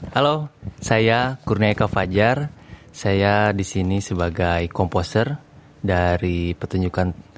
halo saya kurniaika fajar saya di sini sebagai komposer dari petunjukan